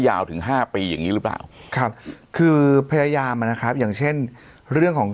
ถึงห้าปีอย่างนี้หรือเปล่าครับคือพยายามนะครับอย่างเช่นเรื่องของ